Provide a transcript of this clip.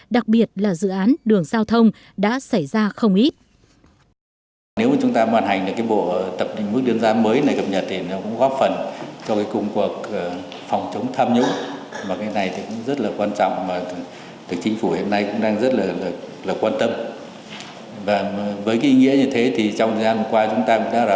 đặc biệt là dự án đường giao thông đã xảy ra không ít